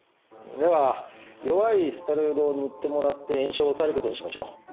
では弱いステロイドを塗ってもらって炎症を抑えることにしましょう。